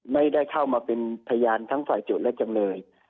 ไม่ได้เข้ามาเป็นพยานทั้งฝ่ายโจทย์และจำเลย